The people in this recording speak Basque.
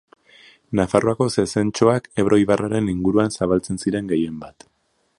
Nafarroako zezentxoak Ebro ibarraren inguruan zabaltzen ziren gehien bat.